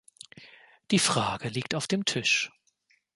Die Frage liegt auf dem Tisch.